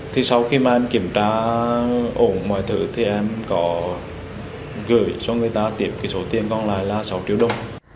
thì sau khi mà em kiểm tra ổn mọi thứ thì em có gửi cho người ta tiệm cái số tiền còn lại là sáu triệu đồng